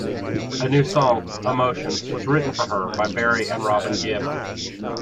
A new song, "Emotion", was written for her by Barry and Robin Gibb.